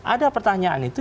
ada pertanyaan itu